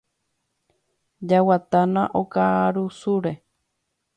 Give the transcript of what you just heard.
Jaguatána okarusúre.